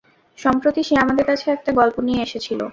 সম্প্রতি, সে আমাদের কাছে একটা গল্প নিয়ে এসেছিল।